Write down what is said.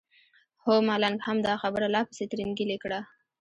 هو ملنګ هم دا خبره لا پسې ترینګلې کړه.